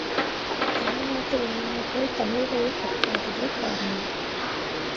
தமிழ் நாட்டு இளைஞர்கள் தமிழ் வழி கற்காததே காரணம்!